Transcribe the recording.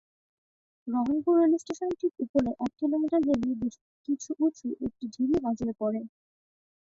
Rohanpur rail স্টেশনের ঠিক উত্তরে এক কিলোমিটার গেলেই বেশ কিছু উঁচু একটি ঢিবি নজরে পড়ে।